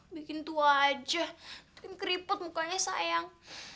bikin tua aja bikin keriput mukanya sayang